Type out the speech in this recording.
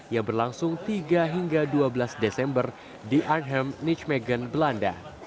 yang berlangsung tiga hingga dua belas desember di archem nichmegen belanda